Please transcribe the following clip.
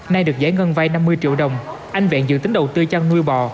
nay được giải ngân vay năm mươi triệu đồng anh vẹn dự tính đầu tư chăn nuôi bò